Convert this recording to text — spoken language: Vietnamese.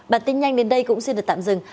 bản tin nhanh đến đây cũng xin được tạm dừng